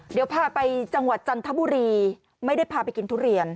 เดี๋ยวพาไปจังหวัดจันทบุรีไม่ได้พาไปกินทุเรียน